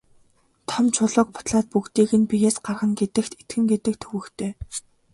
Том чулууг бутлаад бүгдийг нь биеэс гаргана гэдэгт итгэнэ гэдэг төвөгтэй.